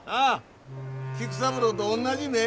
菊三郎とおんなじ目ぇや！